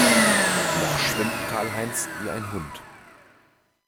Noch schwimmt Karl-Heinz wie ein Hund.